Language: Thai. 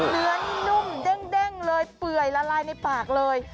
เนื้อนี่นุ่มเด้งเลยเปื่อยละลายในปากเลย